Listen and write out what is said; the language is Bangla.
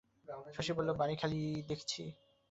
শশী বলিল, বাড়ি খালি দেখছি?